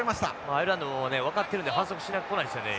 アイルランドもね分かってるんで反則してこないですよね